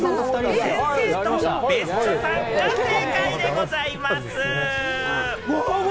てぃ先生と別所さんが正解でございます！